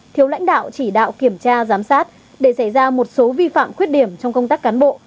thiếu lãnh đạo chỉ đạo kiểm tra giám sát để xảy ra một số vi phạm khuyết điểm trong công tác cán bộ